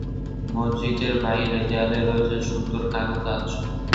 মসজিদের বাইরে দেয়ালে রয়েছে সুন্দর কারুকাজ।